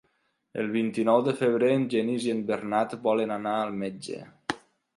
El vint-i-nou de febrer en Genís i en Bernat volen anar al metge.